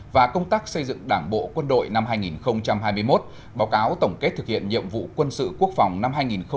và công tác xây dựng đảng bộ quân đội năm hai nghìn hai mươi một báo cáo tổng kết thực hiện nhiệm vụ quân sự quốc phòng năm hai nghìn hai mươi